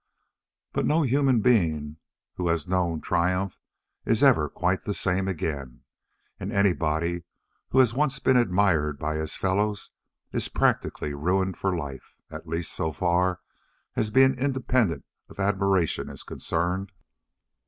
But no human being who has known triumph is ever quite the same again, and anybody who has once been admired by his fellows is practically ruined for life at least so far as being independent of admiration is concerned.